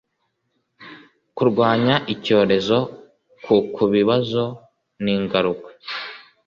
kurwanya icyorezo ku kubibazo ni ngaruka